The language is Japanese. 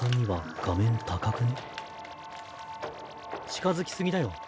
近づき過ぎだよ。